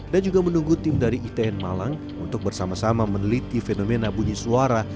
dan juga menunggu tim dari itn malang untuk bersama sama meneliti fenomena bunyi suara